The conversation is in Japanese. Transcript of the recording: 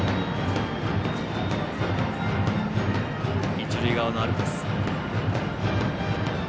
一塁側のアルプス。